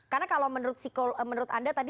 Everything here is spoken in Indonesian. karena kalau menurut anda tadi